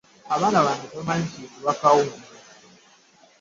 Abaana bange tebamanyi kiyitibwa kawunga.